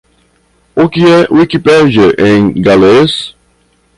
O que é Wikipedia em galês?